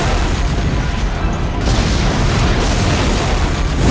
rayus rayus sensa pergi